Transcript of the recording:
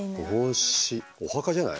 お墓じゃない？